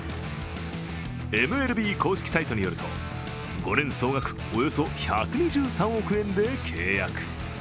ＭＬＢ公式サイトによると、５年総額およそ１２３億円で契約。